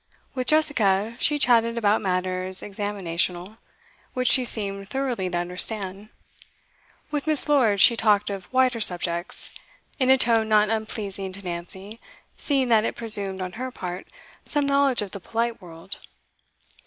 With Jessica she chatted about matters examinational, which she seemed thoroughly to understand; with Miss Lord she talked of wider subjects, in a tone not unpleasing to Nancy, seeing that it presumed, on her part, some knowledge of the polite world.